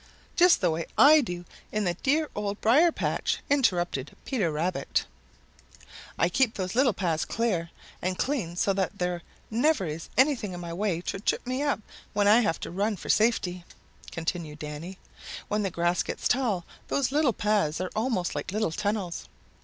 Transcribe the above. "Just the way I do in the dear Old Briar patch," interrupted Peter Rabbit. "I keep those little paths clear and clean so that there never is anything in my way to trip me up when I have to run for safety," continued Danny. "When the grass gets tall those little paths are almost like little tunnels.